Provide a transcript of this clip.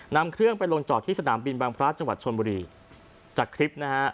นำเครื่องไปลงจอดที่สนามบินบางพระจังหวัดชนบุรีจากคลิปนะฮะ